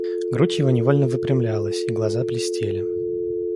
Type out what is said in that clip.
Грудь его невольно выпрямлялась, и глаза блестели.